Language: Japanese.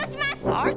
はい。